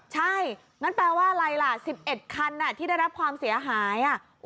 ใช่งั้นแปลว่าอะไรล่ะ๑๑คันที่ได้รับความเสียหาย